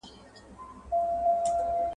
خیال چي مي سندري شر نګولې اوس یې نه لرم ..